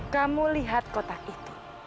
kamu lihat kotak itu